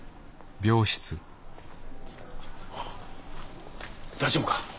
ああ大丈夫か？